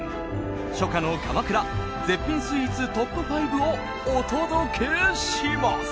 初夏の鎌倉絶品スイーツトップ５をお届けします。